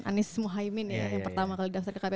anies muhyamin yang pertama kali daftar ke kp